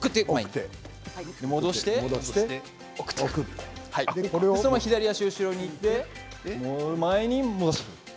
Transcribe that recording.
戻して送ってそのまま左足を後ろにいって前に戻す。